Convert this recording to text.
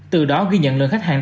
từ đó ghi nhận lượng khách hàng